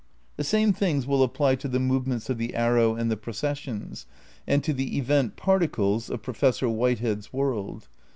The same things will apply to the movements of the arrow and the processions, and to the event particles of Professor Whitehead's world.